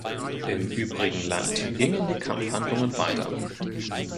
Im übrigen Land gingen die Kampfhandlungen weiter.